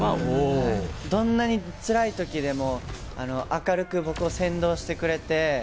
どんなにつらい時でも明るく僕を先導してくれて。